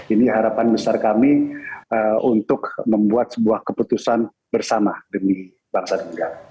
ini harapan besar kami untuk membuat sebuah keputusan bersama demi bangsa dan negara